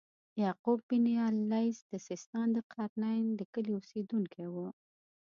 یعقوب بن اللیث د سیستان د قرنین د کلي اوسیدونکی و.